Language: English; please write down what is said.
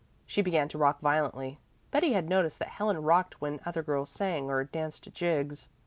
She began to rock violently. Betty had noticed that Helen rocked when other girls sang or danced jigs.